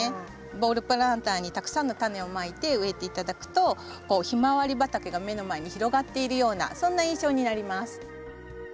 ボールプランターにたくさんのタネをまいて植えて頂くとヒマワリ畑が目の前に広がっているようなそんな印象になります。